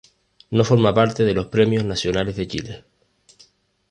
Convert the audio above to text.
No forma parte de los Premios Nacionales de Chile.